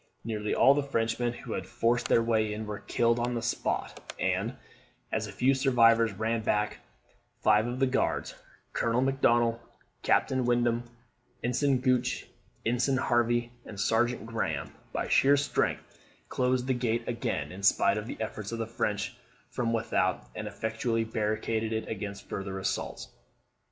Nearly all the Frenchmen who had forced their way in were killed on the spot; and, as the few survivors ran back, five of the Guards, Colonel Macdonnell, Captain Wyndham, Ensign Gooch, Ensign Hervey, and Sergeant Graham, by sheer strength, closed the gate again, in spite of the efforts of the French from without, and effectually barricaded it against further assaults.